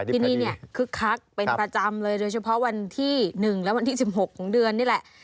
ที่นี่เนี่ยคึกคักเป็นประจำเลยโดยเฉพาะวันที่๑และวันที่๑๖ของเดือนนี่แหละ